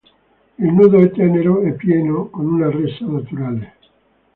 Il nudo è tenero e pieno, con una resa naturale.